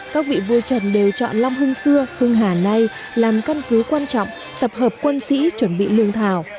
các vị vua trần đều chọn long hưng xưa hưng hà nay làm căn cứ quan trọng tập hợp quân sĩ chuẩn bị lương thảo